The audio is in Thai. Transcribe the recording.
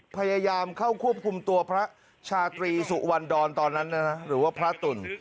พยายามเข้าควบคุมตัวพระชาตรีสุวรรณดรตอนนั้นหรือว่าพระตุ่น